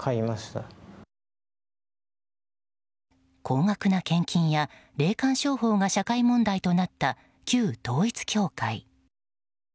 高額な献金や霊感商法が社会問題となった旧統一教会。